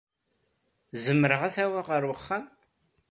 Zemreɣ ad t-awyeɣ ɣer uxxam?